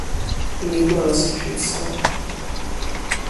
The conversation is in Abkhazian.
Инеигәаласыршәеит сара.